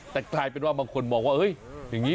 แต่กลายเป็นว่าบางคนมองว่าเฮ้ยอย่างนี้